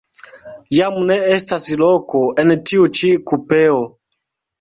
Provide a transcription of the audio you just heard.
Jam ne estas loko en tiu ĉi kupeo.